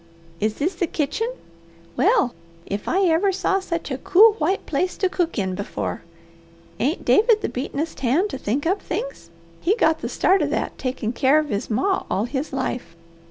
Is this the kitchen? Well if I ever saw sech a cool, white place to cook in before! Ain't David the beatenest hand to think up things? He got the start of that takin' keer of his ma all his life.